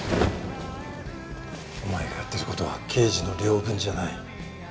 お前がやってる事は刑事の領分じゃない。